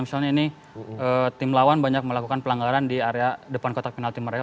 misalnya ini tim lawan banyak melakukan pelanggaran di area depan kotak penalti mereka